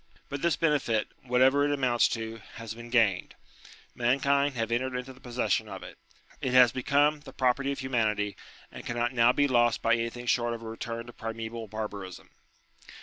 But this benefit, whatever it amounts to, has been gained. Mankind have entered into the possession of it. It has become the property of .humanity, and cannot now be lost by anything short of a return to primseval barbarism.